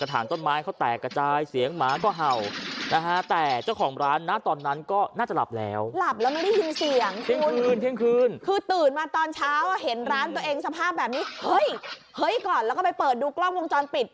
ตอนเช้าเห็นร้านตัวเองสภาพแบบนี้เฮ้ยเฮ้ยก่อนแล้วก็ไปเปิดดูกล้องมือจอนปิด